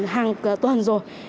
hàng tuần rồi